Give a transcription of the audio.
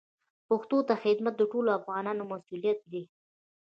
پښتو ته خدمت د ټولو افغانانو مسوولیت دی.